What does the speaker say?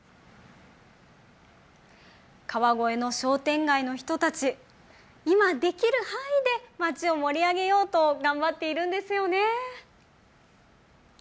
川越の商店街の人たち、今できる範囲で町を盛り上げようと頑張っているんですよね。